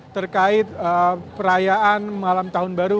terkait perayaan malam tahun baru